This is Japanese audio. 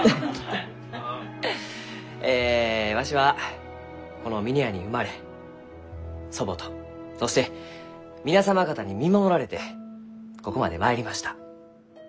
えわしはこの峰屋に生まれ祖母とそして皆様方に見守られてここまで参りました。